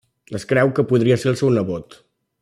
Es creu que podria ser el seu nebot.